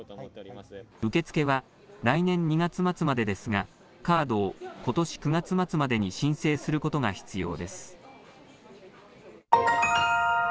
受け付けは来年２月末までですがカードをことし９月末までに申請することが必要です。